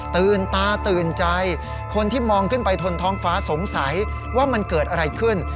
ตื่นตาตื่นใจคนที่มองขึ้นไปทนท้องฟ้าสงสัยว่ามันเกิดอะไรขึ้น